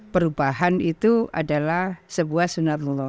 perubahan itu adalah sebuah sunatullah